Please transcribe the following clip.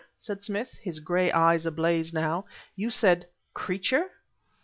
said Smith, his gray eyes ablaze now "you said creature!"